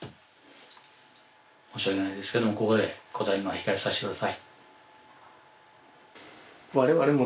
申し訳ないですけれどもここで答えるのは控えさせてください。